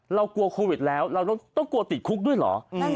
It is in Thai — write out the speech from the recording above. เรากลัวโควิดแล้วเราต้องกลัวติดคุกด้วยเหรอ